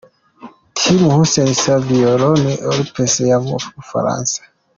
Team Haute-Savoie Rhône-Alpes yo mu Bufaransa.